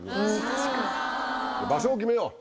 場所を決めよう